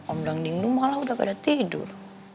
om dangdeng itu malah udah pada tidur